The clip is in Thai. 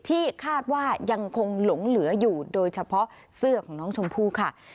ที่คาดว่ายังคงหลงเหลืออยู่โดยเฉพาะเสื้อของน้องชมพู่ค่ะ